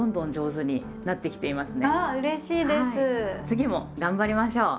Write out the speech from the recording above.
次も頑張りましょう！